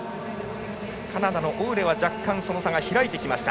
カナダのオウレは若干その差が開いてきた。